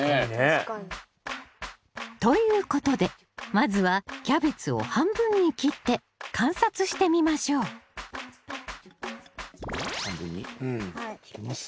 確かに。ということでまずはキャベツを半分に切って観察してみましょう半分に切ります。